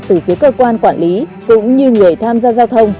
từ phía cơ quan quản lý cũng như người tham gia giao thông